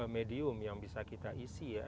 medium yang bisa kita isi ya